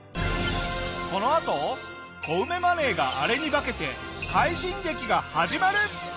このあとコウメマネーがあれに化けて快進撃が始まる！